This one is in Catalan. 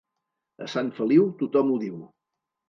A Sant Feliu, tothom ho diu.